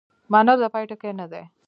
منل د پای ټکی نه دی.